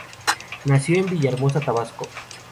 Nació en Villahermosa, Tabasco.